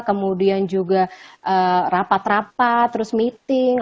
kemudian juga rapat rapat terus meeting